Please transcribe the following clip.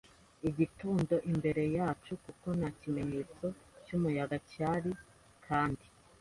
Twari dufite akazi keza ko mu gitondo imbere yacu, kuko nta kimenyetso cy'umuyaga cyari, kandi